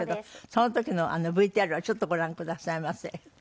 その時のＶＴＲをちょっとご覧くださいませ。